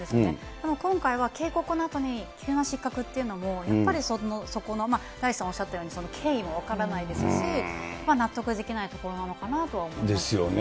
でも今回は警告のあとに急な失格っていうのも、やっぱりそこの、大地さんおっしゃったように、経緯も分からないですし、納得できないところなのかなと思いますね。ですよね。